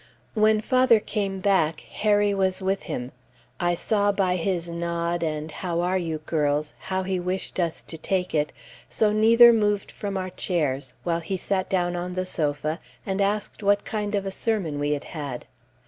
When father came back, Harry was with him. I saw by his nod, and "How are you, girls," how he wished us to take it, so neither moved from our chairs, while he sat down on the sofa and asked what kind of a sermon we had had.